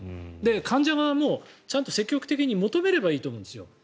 患者側もちゃんと積極的に求めればいいと思うんです。